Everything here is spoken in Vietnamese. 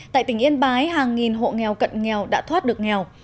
tại tỉnh yên bái hàng nghìn hộ nghèo cận nghèo đã thoát được nghèo